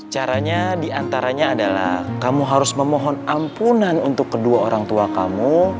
caranya diantaranya adalah kamu harus memohon ampunan untuk kedua orang tua kamu